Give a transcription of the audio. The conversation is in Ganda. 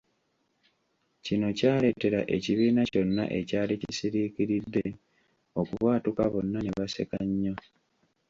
Kino ky’aleetera ekibiina kyonna ekyali kisiriikiridde okubwatuka bonna ne baseka nnyo.